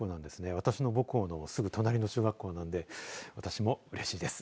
私の母校のすぐ隣の中学校なんで私もうれしいです。